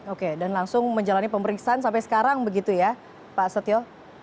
oke dan langsung menjalani pemeriksaan sampai sekarang begitu ya pak setio